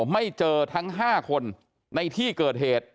ไม่เจอทั้ง๕คนในที่เกิดเหตุ